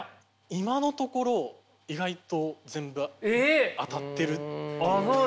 今のところ意外と全部当たっているという。